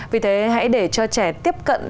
vì thế hãy để cho trẻ tiếp cận